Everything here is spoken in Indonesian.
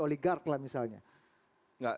oligark lah misalnya